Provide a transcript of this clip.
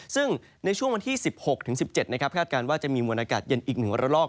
ซึ่งในช่วงวันที่๑๖๑๗คาดการณ์ว่าจะมีมวลอากาศเย็นอีก๑ระลอก